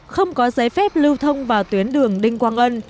không có giấy phép lưu thông vào tuyến đường đinh quang ân